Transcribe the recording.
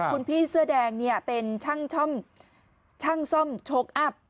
คุณพี่เสื้อแดงเนี่ยเป็นช่างซ่อมโชคอัพ